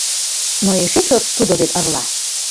Но эше чот тудо вет ырла: